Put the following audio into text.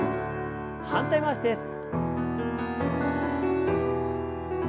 反対回しです。